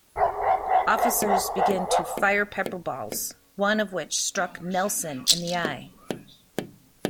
Officers began to fire pepper-balls, one of which struck Nelson in the eye.